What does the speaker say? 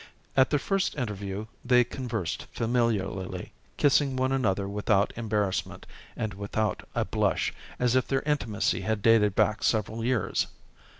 At their first interview they conversed familiarly, kissing one another without embarrassment, and without a blush, as if their intimacy had dated back several years.